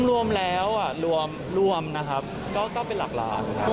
รวมแล้วรวมแล้วก็เป็นหลักหลาน